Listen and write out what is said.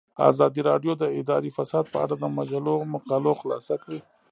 ازادي راډیو د اداري فساد په اړه د مجلو مقالو خلاصه کړې.